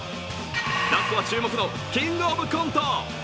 ラストは注目の「キングオブコント」。